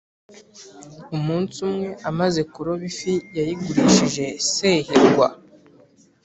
Umunsi umwe amaze kuroba ifi yayigurishije Sehirwa